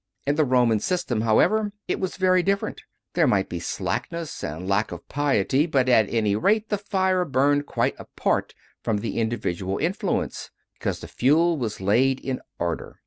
In the Roman system, however, it was very different; there might be slackness and lack of piety, but, at any rate, the fire burned quite apart from the individual influence, because the fuel was laid in order.